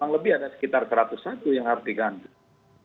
lebih ada sekitar satu ratus satu yang harus dikandung